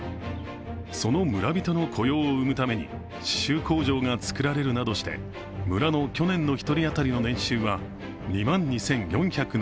その村人の雇用を生むために刺しゅう工場が造られるなどして村の去年の１人当たりの年収は２万２４７６元。